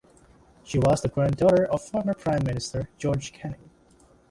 She was the granddaughter of former Prime Minister George Canning.